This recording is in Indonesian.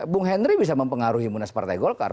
bung henry bisa mempengaruhi munas partai golkar